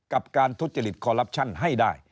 กับการทุจริตคอลลับชั่นให้ได้